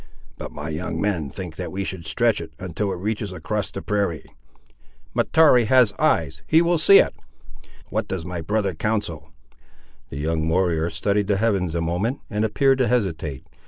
"But my young men think we should stretch it, until it reaches across the prairie." "Mahtoree has eyes; he will see it." "What does my brother counsel?" The young warrior studied the heavens a moment, and appeared to hesitate.